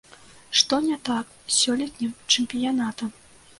Што не так з сёлетнім чэмпіянатам?